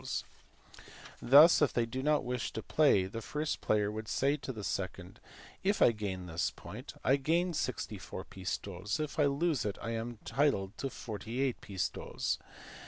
287 Thus, if they do not wish to play, the first player would say to the second "If I gain the point, I gain 64 pistoles; if I lose it, I am entitled to 48 pistoles.